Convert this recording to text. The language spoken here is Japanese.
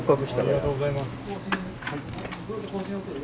ありがとうございます。